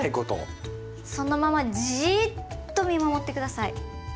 そのままじっと見守って下さい。